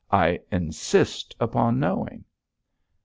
I insist upon knowing.'